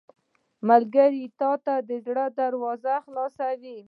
ملګری ته د زړه دروازه خلاصه وي